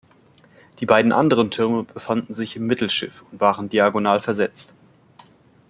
Die beiden anderen Türme befanden sich im Mittelschiff und waren diagonal versetzt.